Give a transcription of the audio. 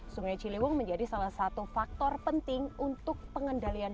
sungai ciliwung menjadi salah satu faktor penting untuk pengendalian